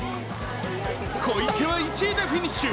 小池は１位でフィニッシュ。